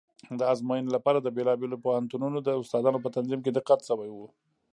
د ازموینې لپاره د بېلابېلو پوهنتونونو د استادانو په تنظیم کې دقت شوی و.